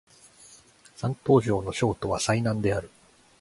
山東省の省都は済南である